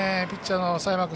ピッチャーの佐山君。